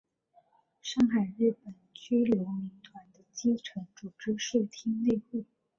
上海日本居留民团的基层组织是町内会。